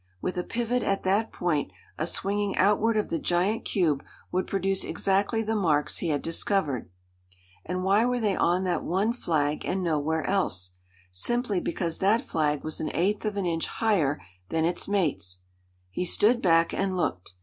With a pivot at that point, a swinging outward of the giant cube would produce exactly the marks he had discovered. And why were they on that one flag, and no where else? Simply because that flag was an eighth of an inch higher than its mates. He stood back and looked.